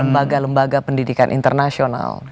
lembaga lembaga pendidikan internasional